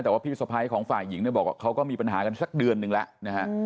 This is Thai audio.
แต่ว่าพี่สะพ้ายของฝ่ายหญิงเนี่ยบอกว่าเขาก็มีปัญหากันสักเดือนนึงแล้วนะฮะ